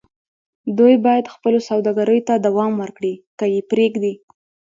دوی بايد خپلو سوداګريو ته دوام ورکړي که يې پرېږدي.